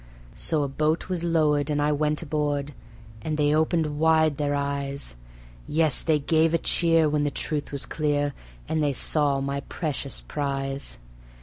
So a boat was lowered and I went aboard, and they opened wide their eyes Yes, they gave a cheer when the truth was clear, and they saw my precious prize.